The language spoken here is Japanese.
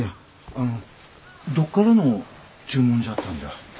あのどこからの注文じゃったんじゃ？